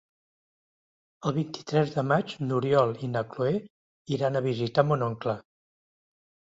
El vint-i-tres de maig n'Oriol i na Cloè iran a visitar mon oncle.